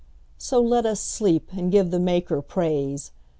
So let us sleep, and give the Maker praise.